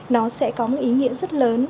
nó sẽ có một ý nghĩa rất lớn